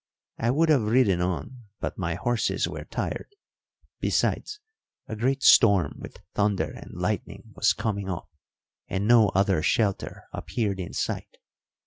I would have ridden on, but my horses were tired; besides, a great storm with thunder and lightning was coming up, and no other shelter appeared in sight.